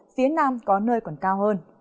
phía nam có nơi còn cao hơn